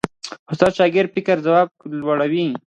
استاد د شاګرد د فکر ځواک لوړوي.